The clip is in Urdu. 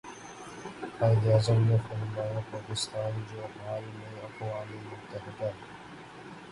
قائد اعظم نے فرمایا پاکستان جو حال ہی میں اقوام متحدہ